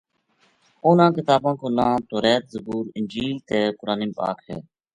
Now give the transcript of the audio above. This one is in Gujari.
انہاں کتاباں کو ناں، توریت، زبور انجیل تے قرآن پاک ہے۔